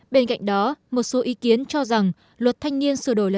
bên cạnh đó một số ý kiến cho rằng luật thanh niên sửa đổi lần này